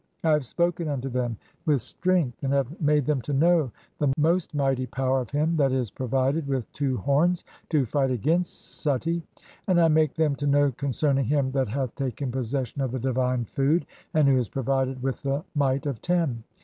I have spoken unto them with "strength, and have made them to know (42) the most mightv "power of him that is provided with two horns [to fight] against "Suti ; and I make them to know concerning him that hath "taken possession of the divine food, and who is provided with "the Might of Tem.